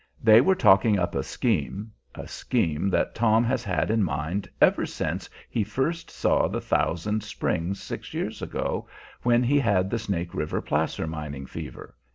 They were talking up a scheme a scheme that Tom has had in mind ever since he first saw the Thousand Springs six years ago, when he had the Snake River placer mining fever.